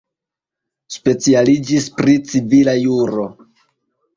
Specialiĝis pri civila juro.